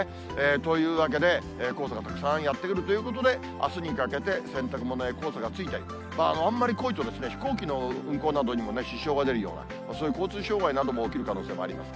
というわけで、黄砂がたくさんやって来るということで、あすにかけて、洗濯物に黄砂がついて、あんまり濃いと、飛行機の運航などにも支障が出るような、そういう交通障害なども起きる可能性があります。